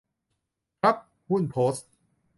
ครับ หุ้นโพสต์